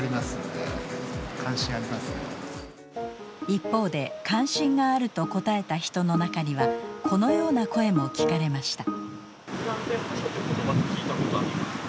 一方で「関心がある」と答えた人の中にはこのような声も聞かれました。